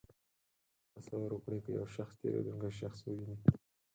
تصور وکړئ که یو شخص تېرېدونکی شخص وویني.